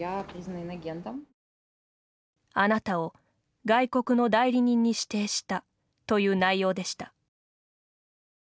「あなたを外国の代理人に指定した」という内容でした。